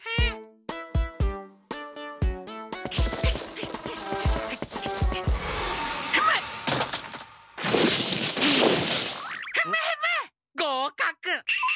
ごうかく！